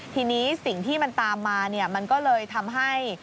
ทีนี้สิ่งที่มันตามมามันก็เลยทำให้